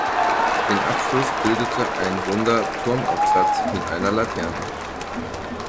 Den Abschluss bildete ein runder Turmaufsatz mit einer Laterne.